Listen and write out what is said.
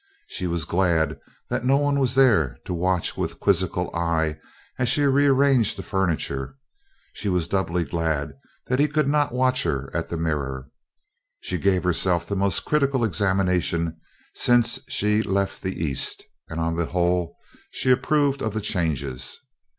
She was glad that no one was there to watch with quizzical eye as she rearranged the furniture; she was doubly glad that he could not watch her at the mirror. She gave herself the most critical examination since she left the East and on the whole she approved of the changes.